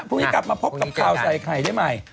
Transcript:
พรุ่งนี้กลับมาพบกับข่าวใส่ไข่ได้ใหม่